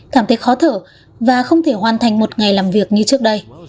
cảm thấy khó thở và không thể hoàn thành một ngày làm việc như trước đây